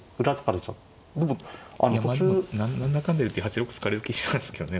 いやまあでも何だかんだいって８六歩突かれる気したんですけどね